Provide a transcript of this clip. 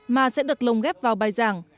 mà sẽ được lồng ghép vào bài giảng